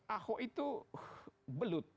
ahok itu belut